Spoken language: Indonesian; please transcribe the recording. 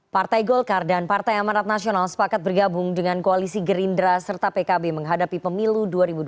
partai golkar dan partai amanat nasional sepakat bergabung dengan koalisi gerindra serta pkb menghadapi pemilu dua ribu dua puluh